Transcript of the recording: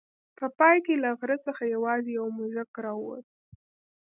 په پای کې له غره څخه یوازې یو موږک راووت.